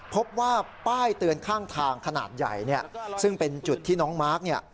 พบว่าป้ายเตือนข้างทางขนาดใหญ่เนี่ยซึ่งเป็นจุดที่น้องมาร์คเนี่ย